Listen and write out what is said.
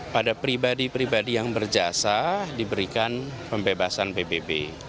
pada pribadi pribadi yang berjasa diberikan pembebasan pbb